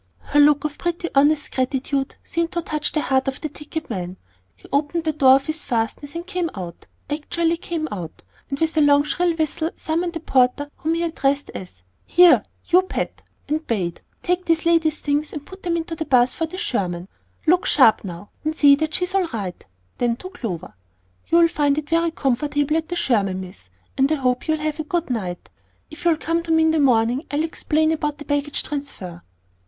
Her look of pretty honest gratitude seemed to touch the heart of the ticket man. He opened the door of his fastness, and came out actually came out! and with a long shrill whistle summoned a porter whom he addressed as, "Here, you Pat," and bade, "Take this lady's things, and put them into the 'bus for the Sherman; look sharp now, and see that she's all right." Then to Clover, "You'll find it very comfortable at the Sherman, Miss, and I hope you'll have a good night. If you'll come to me in the morning, I'll explain about the baggage transfer."